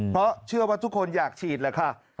เพราะเชื่อว่าทุกคนอยากฉีดแหละค่ะ